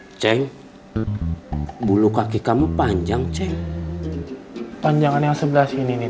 hai ceng bulu kaki kamu panjang ceng panjangnya sebelah sini